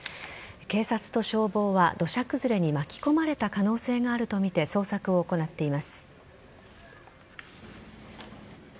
警察と消防は土砂崩れに巻き込まれた可能性があるとみて捜索を行っています。